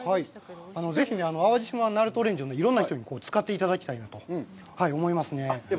ぜひ淡路島なるとオレンジをいろんな人に使っていただきたいなと思いますね。